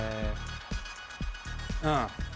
うん。